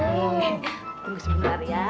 nih tunggu sebentar ya